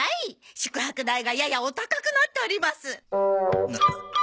宿泊代がややお高くなっております。